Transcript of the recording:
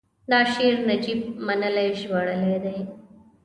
دا شعر نجیب منلي ژباړلی دی: